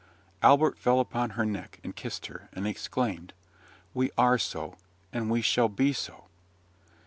Albert fell upon her neck, and kissed her, and exclaimed, "We are so, and we shall be so!"